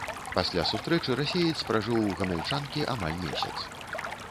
Пасля сустрэчы расеец пражыў у гамяльчанкі амаль месяц.